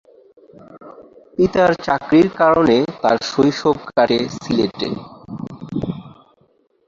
পিতার চাকরির কারণে তার শৈশব কাটে সিলেটে।